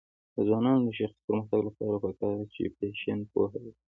د ځوانانو د شخصي پرمختګ لپاره پکار ده چې فیشن پوهه ورکړي.